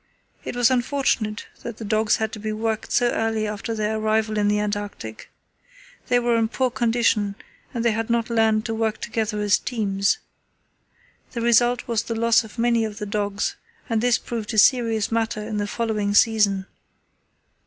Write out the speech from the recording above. It was unfortunate that the dogs had to be worked so early after their arrival in the Antarctic. They were in poor condition and they had not learned to work together as teams. The result was the loss of many of the dogs, and this proved a serious matter in the following season.